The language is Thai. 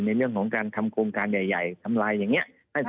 ในเรื่องของการทำโครงการใหญ่ทำลายอย่างนี้